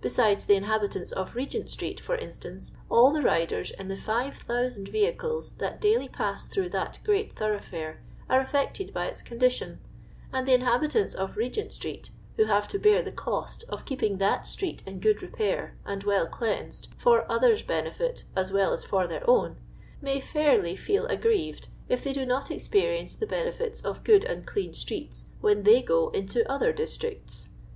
Besides the inhabit ants of Regent street, for instance, all the riders in the 5000 vehicles that daily pass through that great thoroughfare are affected by its condition ; and the inhabitants of Regent street, who have to bear the cost of keeping that street in good repair and well cleansed, /or oUier»' henfjli as iceil as for t/ieir oirn, may fairly feel aggrieved if they do not experience, the benefits of good and clean streets when they go into other districts."